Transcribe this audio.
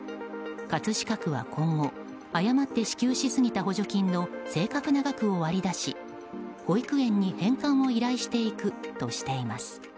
葛飾区は今後誤って支給しすぎた補助金の正確な額を割り出し保育園に返還を依頼していくとしています。